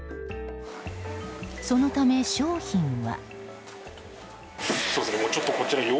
そのため、商品は。